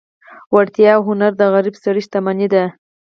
وړتیا او هنر د غریب سړي شتمني ده.